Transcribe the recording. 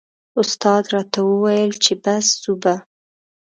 استاد راته و ویل چې بس ځو به.